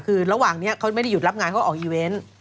คือระหว่างนี้เขาไม่ได้หยุดรับงานเขาออกอีเวนต์